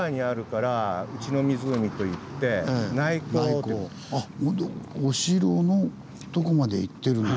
これ実はあっお城のとこまでいってるんだ。